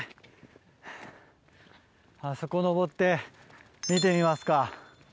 あそこ上って見てみますか。